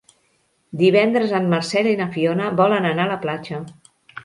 Divendres en Marcel i na Fiona volen anar a la platja.